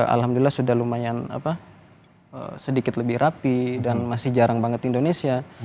alhamdulillah sudah lumayan sedikit lebih rapi dan masih jarang banget indonesia